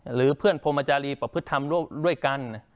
หรือเพื่อนพรมจารีประพฤติธรรมด้วยกัน